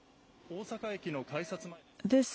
大阪駅の改札前です。